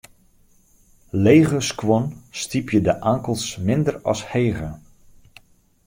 Lege skuon stypje de ankels minder as hege.